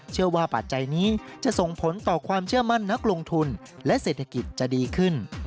ปัจจัยนี้จะส่งผลต่อความเชื่อมั่นนักลงทุนและเศรษฐกิจจะดีขึ้น